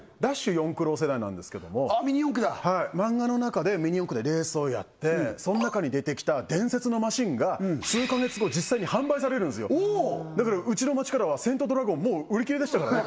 四駆郎世代なんですけどもあミニ四駆だはいマンガの中でミニ四駆でレースをやってそん中に出てきた伝説のマシンが数カ月後実際に販売されるんですよだからうちの街からはセイントドラゴンもう売り切れでしたからね